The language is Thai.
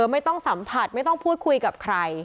ไม่ต้องสัมผัสไม่ต้องพูดคุยกับใคร